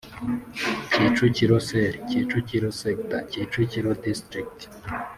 Kicukiro Cell Kicukiro Sector Kicukiro District